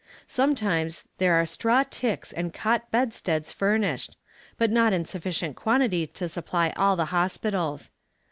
Sometimes there are straw ticks and cot bedsteads furnished, but not in sufficient quantity to supply all the hospitals.